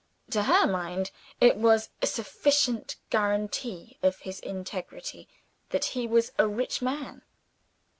To her mind, it was a sufficient guarantee of his integrity that he was a rich man.